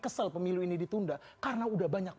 kesel pemilu ini ditunda karena udah banyak